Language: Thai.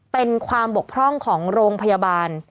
เป็นความบกพร่องของโรงพยาบาล